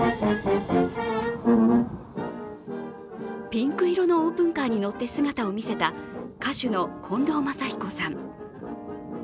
ピンク色のオープンカーに乗って姿を見せた歌手の近藤真彦さん。